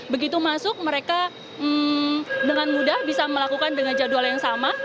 begitu masuk mereka dengan mudah bisa melakukan dengan jadwal yang sama